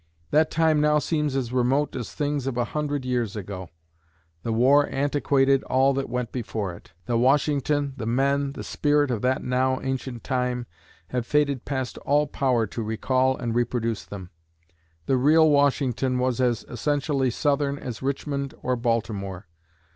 That time now seems as remote as things of a hundred years ago. The war antiquated all that went before it. The Washington, the men, the spirit of that now ancient time, have faded past all power to recall and reproduce them. The real Washington was as essentially Southern as Richmond or Baltimore.